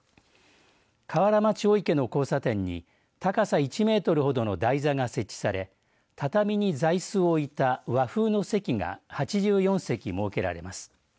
河原町御池の交差点に高さ１メートルほどの台座が設置され畳に座いすを置いた和風の席が８４席設けられます。